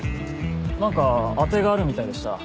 なんか当てがあるみたいでした。